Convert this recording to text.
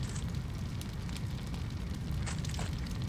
აგებულია უმეტესწილად კირქვებით.